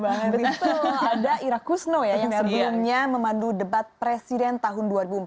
ada ira kusno ya yang sebelumnya memandu debat presiden tahun dua ribu empat belas